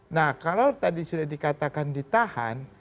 nah kalau tadi sudah dikatakan ditahan